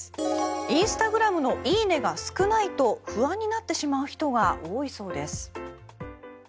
インスタグラムの「いいね」が少ないと不安になってしまう人が多いそうです。